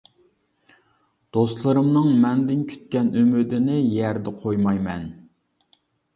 دوستلىرىمنىڭ مەندىن كۈتكەن ئۈمىدىنى يەردە قويمايمەن.